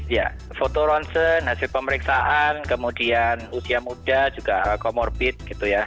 ya fotoronsen hasil pemeriksaan kemudian usia muda juga comorbid gitu ya